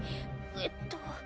えっと